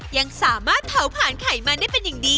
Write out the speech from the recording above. ยังสามารถเผาผ่านไขมันได้เป็นอย่างดี